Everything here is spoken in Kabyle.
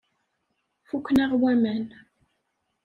Fukken-aɣ waman.